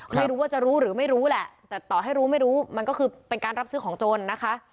ไม่รู้ว่าจะรู้หรือไม่รู้แหละแต่ต่อให้รู้ไม่รู้มันก็คือเป็นการรับซื้อของโจรนะคะ